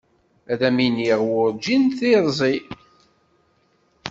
Ad am iniɣ warǧin tiṛẓi.